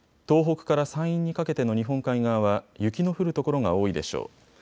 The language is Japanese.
東北から山陰にかけての日本海側は雪の降る所が多いでしょう。